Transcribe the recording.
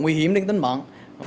nguy hiểm đến tấn mỏng